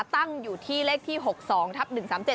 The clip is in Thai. ตั้งอยู่ที่เลขที่หกสองทับหนึ่งสามเจ็ด